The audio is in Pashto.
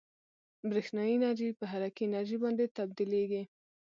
برېښنايي انرژي په حرکي انرژي باندې تبدیلیږي.